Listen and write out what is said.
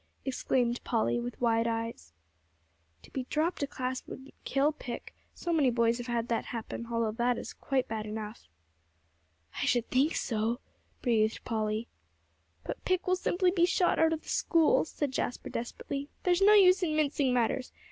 exclaimed Polly with wide eyes. "To be dropped a class wouldn't kill Pick; so many boys have had that happen, although it is quite bad enough." "I should think so," breathed Polly. "But Pick will simply be shot out of the school," said Jasper desperately; "there's no use in mincing matters.